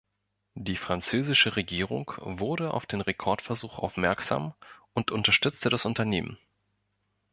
Die französische Regierung wurde auf den Rekordversuch aufmerksam und unterstützte das Unternehmen.